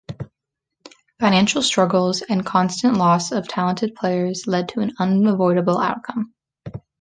Financial struggles and a constant loss of talented players lead to an unavoidable outcome.